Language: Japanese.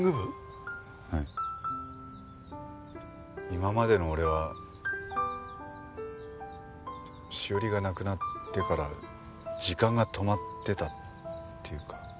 今までの俺は史織が亡くなってから時間が止まってたっていうか。